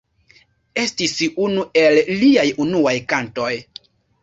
Estis unu el liaj unuaj kantoj.